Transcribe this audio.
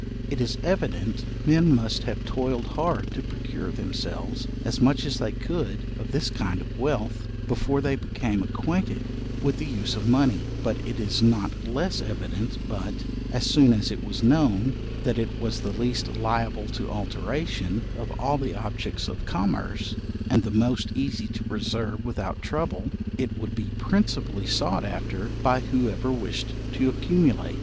It is evident men must have toiled hard to procure themselves as much as they could of this kind of wealth, before they became acquainted with the use of money; but it is not less evident but, as soon as it was known, that it was the least liable to alteration of all the objects of commerce, and the most easy to preserve without trouble, it would be principally sought after by whoever wished to accumulate.